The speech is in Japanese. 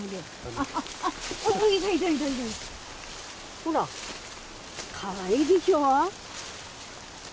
ほらかわいいでしょ。